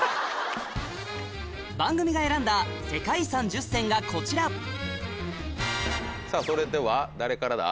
番組が選んだ世界遺産１０選がこちらさぁそれでは誰からだ？